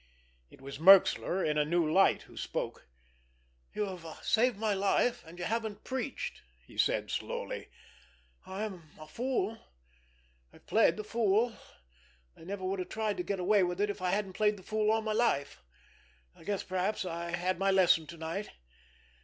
It was Merxler in a new light who spoke. "You've saved my life—and you haven't preached," he said slowly. "I'm a fool! I've played the fool—they never would have tried to get away with it if I hadn't played the fool all my life. I guess perhaps I've had my lesson tonight.